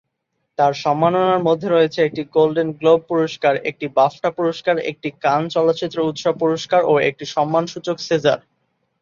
তার সম্মাননার মধ্যে রয়েছে একটি গোল্ডেন গ্লোব পুরস্কার, একটি বাফটা পুরস্কার, একটি কান চলচ্চিত্র উৎসব পুরস্কার ও একটি সম্মানসূচক সেজার।